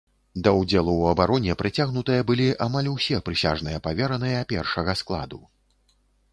Да ўдзелу ў абароне прыцягнутыя былі амаль усе прысяжныя павераныя першага складу.